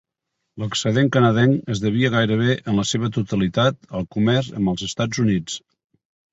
L'excedent canadenc es devia gairebé en la seva totalitat al comerç amb els Estats Units.